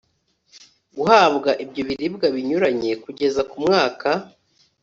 guhabwa ibyo biribwa binyuranye kugeza ku mwaka